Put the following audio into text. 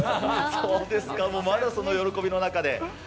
そうですか、まだその喜びの中で。